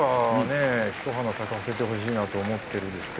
一花咲かせてほしいと思ってるんです。